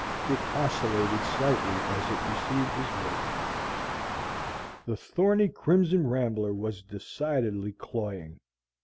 It oscillated slightly as it received his weight. The thorny crimson rambler was decidedly cloying.